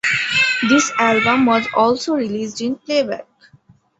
This album was also released in playback.